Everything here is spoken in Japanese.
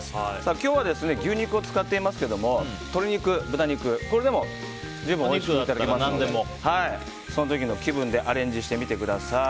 今日は、牛肉を使っていますけど鶏肉、豚肉でもおいしくいただけますのでその時の気分でアレンジしてみてください。